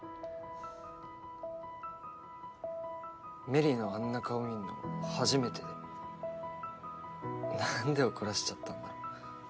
芽李のあんな顔見んの初めてでなんで怒らせちゃったんだろ？